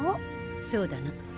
そうだな。